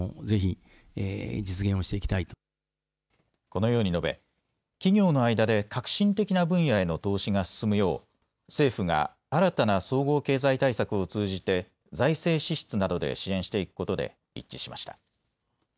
このように述べ企業の間で革新的な分野への投資が進むよう政府が新たな総合経済対策を通じて財政支出などで支援していくことで一致しました。